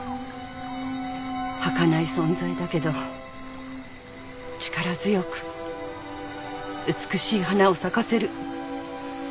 はかない存在だけど力強く美しい花を咲かせる。